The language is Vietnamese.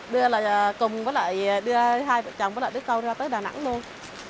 đưa là cùng với lại đưa hai vợ chồng với lại đứa câu ra tới đà nẵng luôn